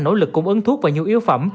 nỗ lực cung ứng thuốc và nhu yếu phẩm